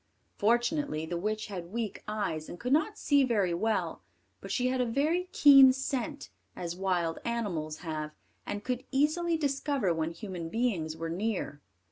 Fortunately the witch had weak eyes, and could not see very well; but she had a very keen scent, as wild animals have, and could easily discover when human beings were near.